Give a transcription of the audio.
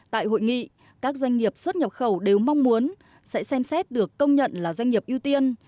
tại hội nghị các doanh nghiệp xuất nhập khẩu đều mong muốn sẽ xem xét được công nhận là doanh nghiệp ưu tiên